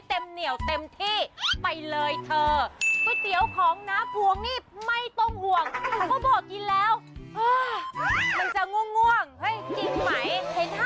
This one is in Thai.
สมุนไพรในเข่าใช่เลย